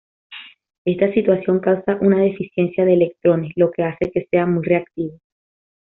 Esta situación causa una deficiencia de electrones, lo que hace que sea muy reactivo.